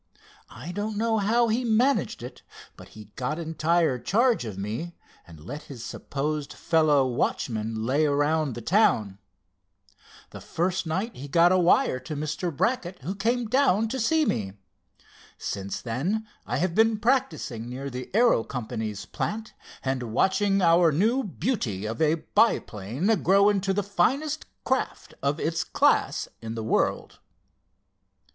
I don't know how he managed it, but he got entire charge of me, and let his supposed fellow watchman lay around the town. The first night he got a wire to Mr. Brackett who came down for me. Since then I have been practicing near the Aero Company's plant, and watching our new beauty of a biplane grow into the finest craft of its class in the world."